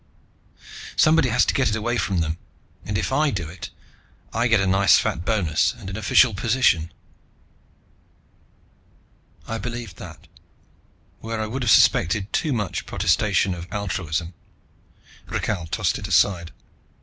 Somebody has to get it away from them. And if I do it, I get a nice fat bonus, and an official position." I believed that, where I would have suspected too much protestation of altruism. Rakhal tossed it aside.